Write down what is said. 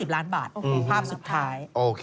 ๑ล้านบาทภาพสุดท้าย